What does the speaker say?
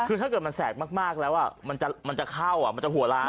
คือถ้าเกิดมันแสกมากแล้วมันจะเข้ามันจะหัวร้าย